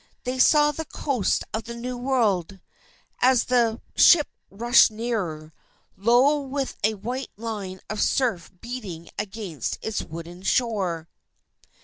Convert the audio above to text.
They saw the coast of the New World, as the ship rushed nearer, low with a white line of surf beating against its wooded shore.